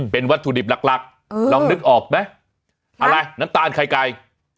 เป็นวัตถุดิบหลักลองนึกออกไหมอะไรน้ำตาลไข่ไก่